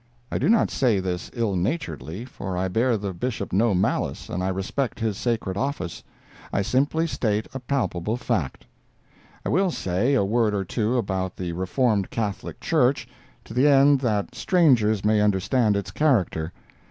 I do not say this ill naturedly, for I bear the Bishop no malice, and I respect his sacred office; I simply state a palpable fact. I will say a word or two about the Reformed Catholic Church, to the end that strangers may understand its character.